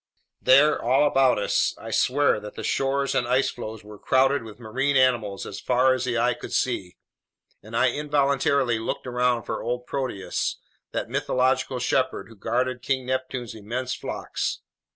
There, all about us, I swear that the shores and ice floes were crowded with marine mammals as far as the eye could see, and I involuntarily looked around for old Proteus, that mythological shepherd who guarded King Neptune's immense flocks.